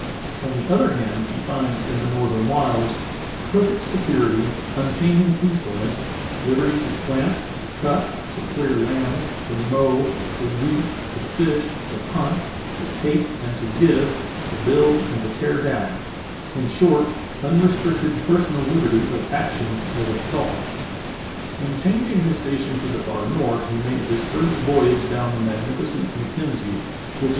On the other hand he finds in the northern wilds Perfect security, unchanging peacefulness, liberty to The Missionary's Arctic Trail 297 plant, to cut, to clear land, to mow, to reap, to fish, to hunt, to take and to give, to build and to tear down" — in short, unrestricted personal liberty of action as of thought. In changing his station to the far north he made his first voyage down the magnificent Mackenzie, which in Peti tot's Trail, C/{£AT3tA /ranA/Za Liverpool Bay Region.